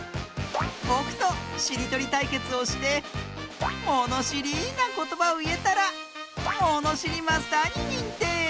ぼくとしりとりたいけつをしてものしりなことばをいえたらものしりマスターににんてい！